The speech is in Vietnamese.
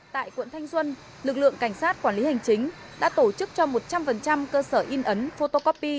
tại quận thanh xuân lực lượng cảnh sát quản lý hành chính đã tổ chức cho một trăm linh cơ sở in ấn photocopy